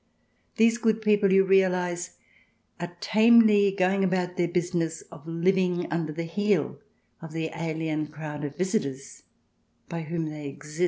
These good people, you realize, are tamely going about their business of living under the heel of the alien crowd of visitors by whom they exist.